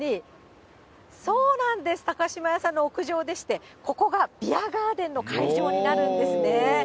そうなんです、高島屋さんの屋上でして、ここがビアガーデンの会場になるんですね。